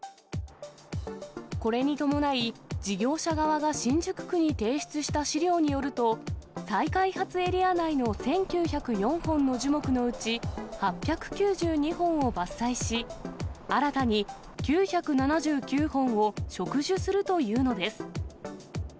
これに伴い、事業者側が新宿区に提出した資料によると、再開発エリア内の１９０４本の樹木のうち、８９２本を伐採し、新たに９７９本を植樹するというのです。